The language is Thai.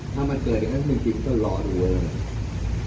ถ้ามันเกิดอย่างนั้นเป็นจริงก็รอดีกว่าเลย